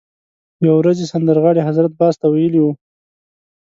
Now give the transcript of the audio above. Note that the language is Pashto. یوه ورځ یې سندرغاړي حضرت باز ته ویلي وو.